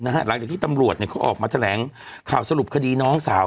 หลังจากที่ตำรวจเขาออกมาแถลงข่าวสรุปคดีน้องสาว